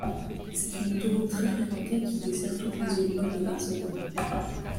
C'est une autoroute très fréquentée qui dessert toute la zone nord de Barcelone.